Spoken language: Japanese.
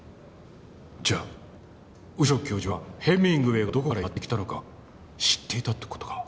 じゃあ後宮教授はヘミングウェイがどこからやって来たのか知っていたって事か。